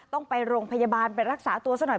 ต้องไปโรงพยาบาลไปรักษาตัวซะหน่อย